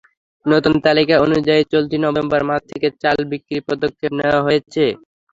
নতুন তালিকা অনুযায়ী চলতি নভেম্বর মাস থেকে চাল বিক্রির পদক্ষেপ নেওয়া হয়েছে।